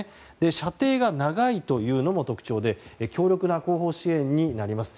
射程が長いというのも特徴で強力な後方支援になります。